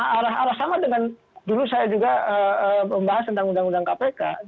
arah arah sama dengan dulu saya juga membahas tentang undang undang kpk